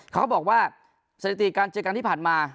เขาบอกว่าสถิติการเจอกันที่ผ่านมา